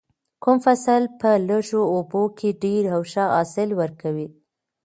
کوم فصل په لږو اوبو کې ډیر او ښه حاصل ورکوي؟